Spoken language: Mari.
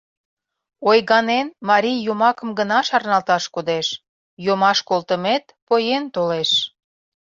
Ойганен, марий йомакым гына шарналташ кодеш: йомаш колтымет поен толеш!